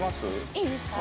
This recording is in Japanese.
いいですか？